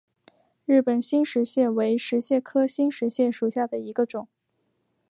日本新石蟹为石蟹科新石蟹属下的一个种。